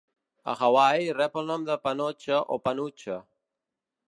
A Hawaii, rep el nom de "panocha" o panuche.